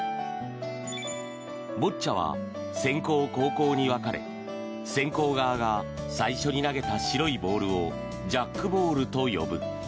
ボッチャは先攻後攻に分かれ先攻側が最初に投げた白いボールをジャックボールと呼ぶ。